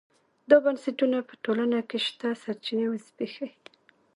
دا بنسټونه په ټولنه کې شته سرچینې وزبېښي.